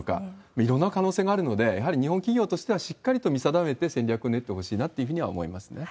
いろんな可能性があるので、やはり日本企業としてはしっかりと見定めて、戦略を練ってほしいなというふうに思いますね。